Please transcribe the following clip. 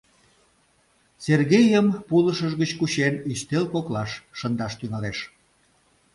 — Сергейым, пулышыж гыч кучен, ӱстел коклаш шындаш тӱҥалеш.